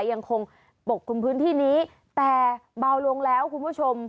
ยังคงปกคลุมพื้นที่นี้แต่เบาลงแล้วคุณผู้ชม